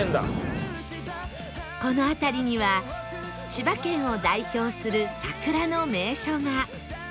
この辺りには千葉県を代表する桜の名所が